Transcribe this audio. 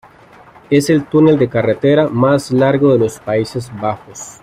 Es el túnel de carretera más largo de los Países Bajos.